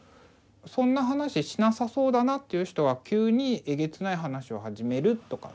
そんな話しなさそうだなっていう人が急にえげつない話を始めるとか。